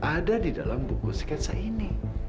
ada di dalam buku sketsa ini